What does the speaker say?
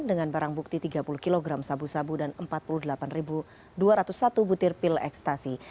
dengan barang bukti tiga puluh kg sabu sabu dan empat puluh delapan dua ratus satu butir pil ekstasi